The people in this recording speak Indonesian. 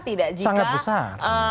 tidak sangat besar